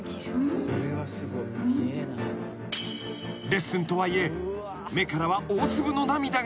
［レッスンとはいえ目からは大粒の涙が］